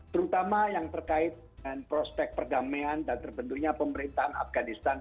terutama yang terkait dengan prospek perdamaian dan terbentuknya pemerintahan afganistan